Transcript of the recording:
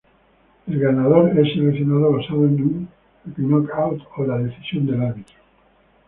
El ganador es seleccionado basado en un knockout o la decisión del árbitro.